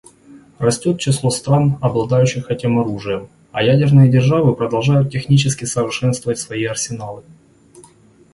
Растет число стран, обладающих этим оружием, а ядерные державы продолжают технически совершенствовать свои арсеналы.